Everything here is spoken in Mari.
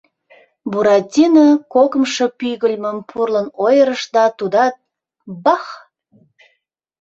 Буратино кокымшо пӱгыльмым пурлын ойырыш да тудат — бах!